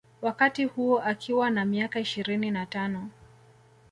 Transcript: Wakati huo akiwa na miaka ishirini na tano